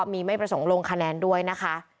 กรุงเทพฯมหานครทำไปแล้วนะครับ